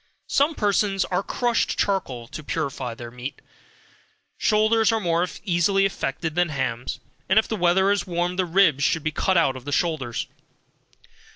Some persons use crushed charcoal to purify their meat. Shoulders are more easily affected than hams, and if the weather is warm the ribs should be cut out of the shoulders.